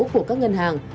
của các ngân hàng